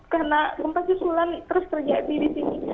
karena lempas jusulan terus terjadi di sini